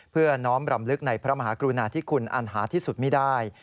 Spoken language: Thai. เพื่อน้อมรำลึกในพระมหากรุณาธิคุณอันหาที่สุดไม่ได้